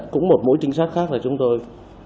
cũng một mỗi trinh sát khác là chúng tôi